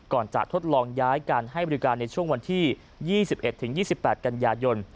ก่อนจะทดลองย้ายการให้บริการในช่วงวันที่๒๑๒๘กันยายน